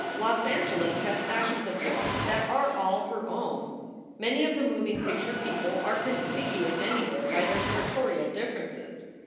Los Angeles has fashions of dress that are all her own. Many of the moving picture people are conspicuous anywhere by their sartorial differences.